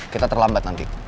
kita terlambat nanti